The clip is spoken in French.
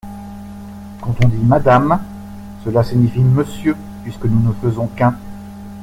Quand on dit madame… cela signifie monsieur, puisque nous ne faisons qu’un.